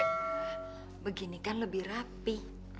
nah begini kan lebih rapi